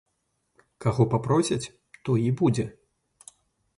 Каго папросяць, той і будзе.